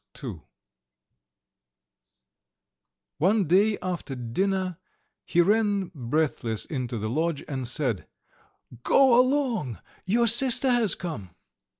IV One day, after dinner, he ran breathless into the lodge and said: "Go along, your sister has come."